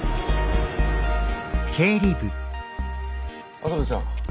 麻吹さん。